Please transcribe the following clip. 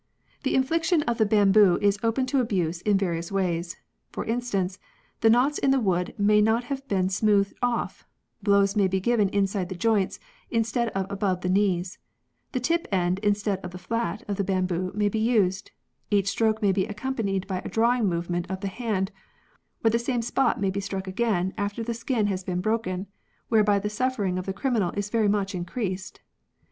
The infliction of the bamboo is open to abuse in various ways. For instance, the knots in the wood may not have been smoothed off; blows may be given inside the joints, instead of above the knees ; the tip end instead of the flat of the bamboo may be used ; each stroke may be accompanied by a drawing movement of the hand, or the same spot may be struck again after the skin has been broken, whereby the suffering of the criminal is very much increased.